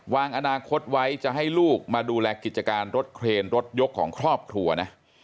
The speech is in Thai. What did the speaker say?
วางอนาคตไว้จะให้ลูกมาดูแลกิจการรถเครนรถยกของครอบครัวนะ